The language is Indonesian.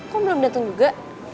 kok belum dateng juga